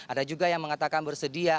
ada juga yang mengatakan bersedia